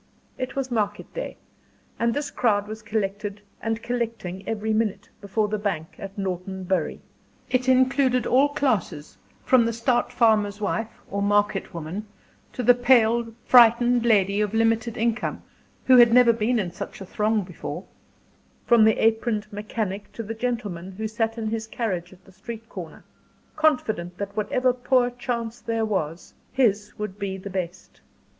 It was market day, and this crowd was collected and collecting every minute, before the bank at Norton Bury. It included all classes, from the stout farmer's wife or market woman, to the pale, frightened lady of "limited income," who had never been in such a throng before; from the aproned mechanic to the gentleman who sat in his carriage at the street corner, confident that whatever poor chance there was, his would be the best.